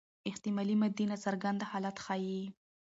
احتمالي ماضي ناڅرګند حالت ښيي.